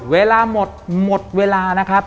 เวลาหมดหมดเวลานะครับ